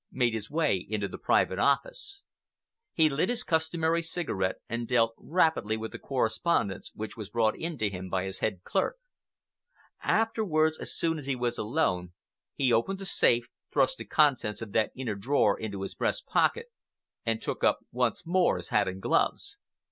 made his way into the private office. He lit his customary cigarette and dealt rapidly with the correspondence which was brought in to him by his head clerk. Afterwards, as soon as he was alone, he opened the safe, thrust the contents of that inner drawer into his breast pocket, and took up once more his hat and gloves.